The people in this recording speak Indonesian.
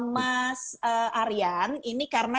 mas aryan ini karena